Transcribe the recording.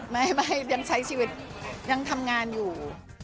ไม่ยังใช้ชีวิตยังทำงานอยู่